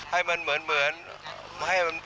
ให้มันเหมือนให้มัน